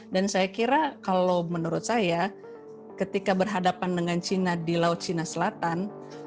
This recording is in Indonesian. dan saya kira kalau menurut saya ketika berhadapan dengan china di laut china selatan